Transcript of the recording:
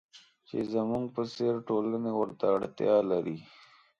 چې زموږ په څېر ټولنې ورته اړتیا لري.